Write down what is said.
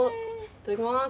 いただきます。